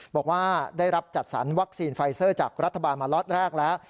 บอกว่าได้รับจัดสรรวัคซีนไฟเซอร์จากรัฐบาลมาล็อตแรกแล้ว